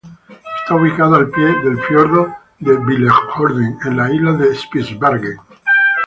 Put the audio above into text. Esta ubicado al pie del fiordo de Billefjorden, en la isla de Spitsbergen.